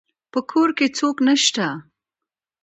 په کور کې څوک نشته